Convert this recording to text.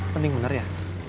penting bener ya